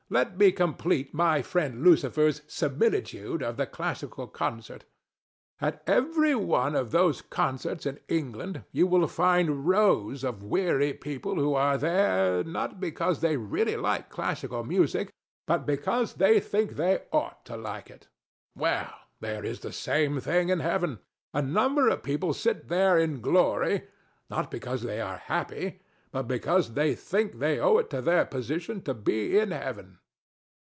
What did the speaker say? Let me complete my friend Lucifer's similitude of the classical concert. At every one of those concerts in England you will find rows of weary people who are there, not because they really like classical music, but because they think they ought to like it. Well, there is the same thing in heaven. A number of people sit there in glory, not because they are happy, but because they think they owe it to their position to be in heaven.